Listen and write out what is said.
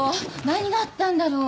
何があったんだろう？